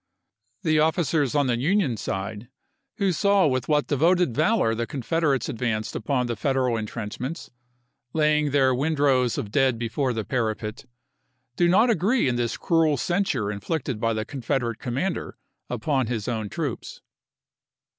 The officers on the Union side, who saw with what devoted valor the Confederates advanced upon the Federal intrenchments, laying their windrows of dead before the parapet, do not agree in this cruel censure inflicted by the Confederate commander upon his own troops.